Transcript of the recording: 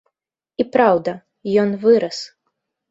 І праўда, ён вырас.